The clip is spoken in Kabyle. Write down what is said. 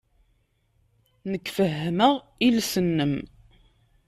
Nekk fehhmeɣ iles-nnem.